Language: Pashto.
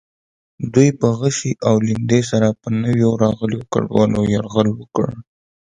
دوی په غشي او لیندۍ سره پر نویو راغلو کډوالو یرغل وکړ.